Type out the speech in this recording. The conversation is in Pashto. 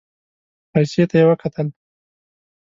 پايڅې ته يې وکتل.